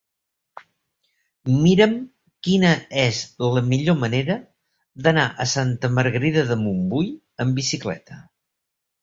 Mira'm quina és la millor manera d'anar a Santa Margarida de Montbui amb bicicleta.